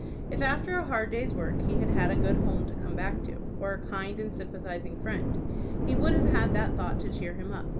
If after a hard day's work he had had a good home to come back to, or a kind and sympathizing friend, he would have had that thought to cheer him up.